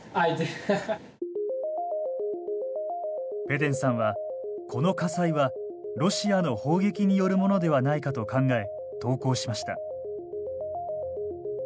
ペデンさんはこの火災はロシアの砲撃によるものではないかと考え投稿しました。